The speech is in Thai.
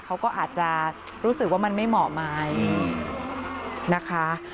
เขาก็อาจจะรู้สึกว่ามันไม่เหมาะไหมนะคะ